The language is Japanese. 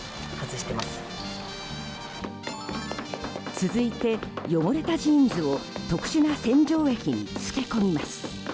続いて、汚れたジーンズを特殊な洗浄液に漬け込みます。